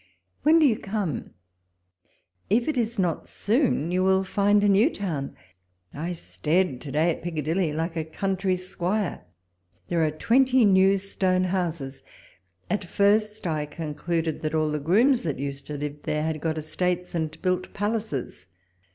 When do you come ? if it is not soon, you will find a new town. I stared to day at Piccadilly like a country squire ; there are twenty new stone houses: at first I concluded that all the grooms, that used to live there, had got estates, and built palaces.